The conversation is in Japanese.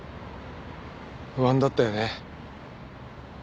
不安だったよね。